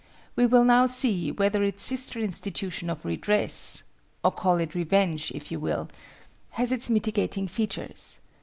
We will now see whether its sister institution of Redress—or call it Revenge, if you will—has its mitigating features.